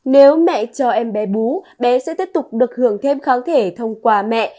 nếu mẹ cho em bé bú bé sẽ tiếp tục được hưởng thêm kháng thể thông qua mẹ